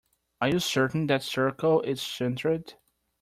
Are you certain that circle is centered?